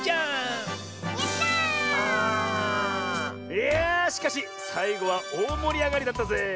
いやあしかしさいごはおおもりあがりだったぜえ。